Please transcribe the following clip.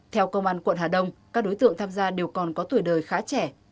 theo công an quận hà đông các đối tượng tham gia đều còn có tuổi đời khá trẻ